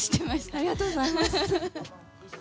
ありがとうございます。